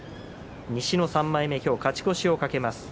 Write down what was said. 西の３枚目今日勝ち越しを懸けます。